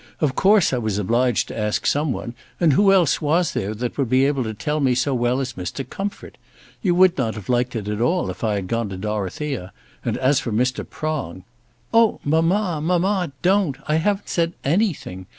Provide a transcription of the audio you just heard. Of course I was obliged to ask some one; and who else was there that would be able to tell me so well as Mr. Comfort? You would not have liked it at all if I had gone to Dorothea; and as for Mr. Prong " "Oh! mamma, mamma, don't! I haven't said anything.